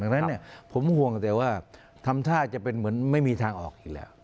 ดังนั้นผมห่วงแต่ว่าทำท่าจะเป็นเหมือนไม่มีทางออกอีกแล้ว